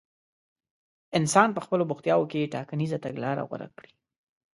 انسان په خپلو بوختياوو کې ټاکنيزه تګلاره غوره کړي.